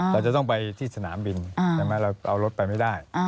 เราจะต้องไปที่สนามบินใช่ไหมเราเอารถไปไม่ได้